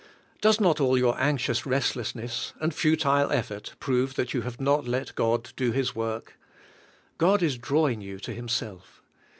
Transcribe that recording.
Does not all your anxious restless ness, and futile effort, prove that you have not let God do His work? God is drawing you to Him self.